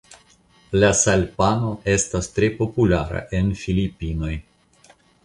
La salpano estas tre populara en Filipinoj.